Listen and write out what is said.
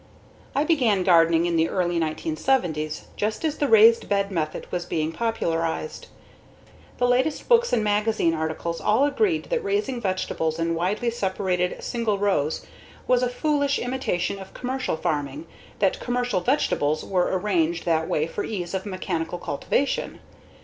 I began gardening in the early 1970s, just as the raised bed method was being popularized. The latest books and magazine articles all agreed that raising vegetables in widely separated single rows was a foolish imitation of commercial farming, that commercial vegetables were arranged that way for ease of mechanical cultivation.